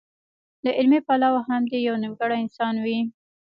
له عملي پلوه هم دی يو نيمګړی انسان وي.